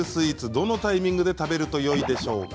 どのタイミングで食べるとよいでしょうか？